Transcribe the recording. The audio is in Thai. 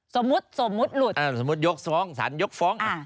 สมมุติสมมุติหลุดสมมุติยกฟ้องสารยกฟ้อง